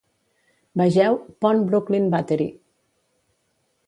"Vegeu Pont Brooklyn-Battery".